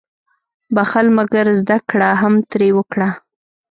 • بخښل، مګر زده کړه هم ترې وکړه.